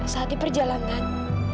saat di perjalanan